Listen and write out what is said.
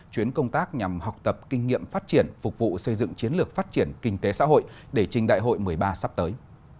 chuyến công tác nhằm học tập kinh nghiệm phát triển phục vụ xây dựng chiến lược phát triển kinh tế xã hội để trình đại hội một mươi ba sắp tới